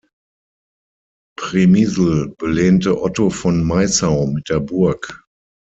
Přemysl belehnte Otto von Maissau mit der Burg.